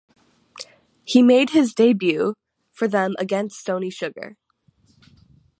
He made his debut for them against Sony Sugar.